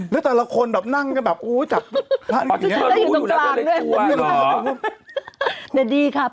แล้วแต่ละคนแบบนั่งกันแบบโอ๊ยจับผ้าอย่างนี้